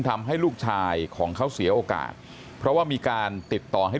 ทำให้ลูกชายของเขาเสียโอกาสเพราะว่ามีการติดต่อให้